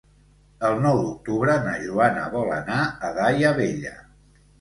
El nou d'octubre na Joana vol anar a Daia Vella.